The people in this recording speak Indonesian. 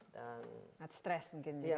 dan stress mungkin juga ya